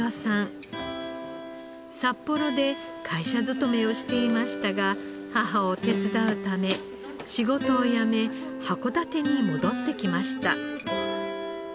札幌で会社勤めをしていましたが母を手伝うため仕事を辞め函館に戻ってきました。